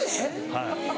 はい。